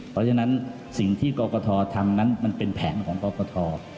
เพราะฉะนั้นสิ่งที่กรกฐทำนั้นมันเป็นแผนของกรกฐ